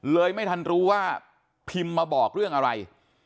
เลยไม่ทันรู้ว่าพิมพ์มาบอกเรื่องอะไร